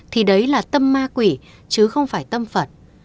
thì đấy là tâm ma quỷ chứ không phải tâm phật